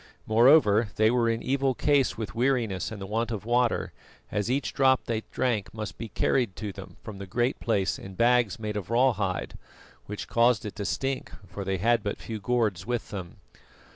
Moreover, they were in evil case with weariness and the want of water, as each drop they drank must be carried to them from the Great Place in bags made of raw hide, which caused it to stink, for they had but few gourds with them.